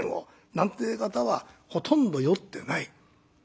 なんて方はほとんど酔ってない。